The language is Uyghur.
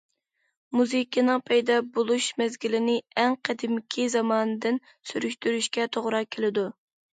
مۇزىكىنىڭ پەيدا بولۇش مەزگىلىنى ئەڭ قەدىمكى زاماندىن سۈرۈشتۈرۈشكە توغرا كېلىدۇ.